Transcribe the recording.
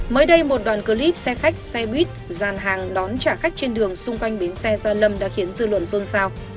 mới đây một đoàn clip xe khách xe buýt dàn hàng đón trả khách trên đường xung quanh bến xe gia lâm đã khiến dư luận xôn xao